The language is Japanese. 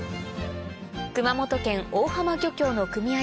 熊本県大浜漁協の組合